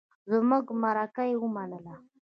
زمونږ مرکه يې ومنله.